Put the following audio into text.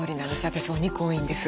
私お肉多いんです。